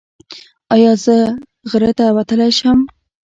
ایا زه غره ته وختلی شم؟